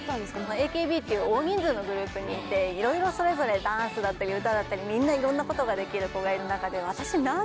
ＡＫＢっていう大人数のグループにいていろいろそれぞれダンスだったり歌だったりみんないろんなことができる子がいる中で私。